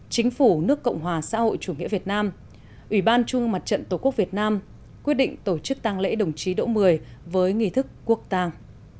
chính phủ nước cộng hòa xã hội chủ nghĩa việt nam ủy ban trung mương mặt trận tổ quốc việt nam quyết định tổ chức tăng lễ đồng chí đỗ mười với nghi thức quốc tàng